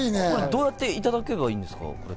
どうやっていただけばいいんですか？